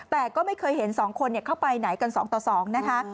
แต่ก็ไม่เคยเห็น๒คนเข้าไปไหนกัน๒ต่อ๒นะคะ